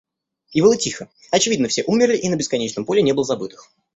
И было тихо, — очевидно, все умерли, и на бесконечном поле не было забытых.